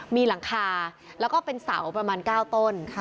มีหลังคาแล้วก็เป็นเสาประมาณ๙ต้น